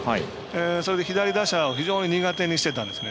それで左打者を非常に苦手にしてたんですね。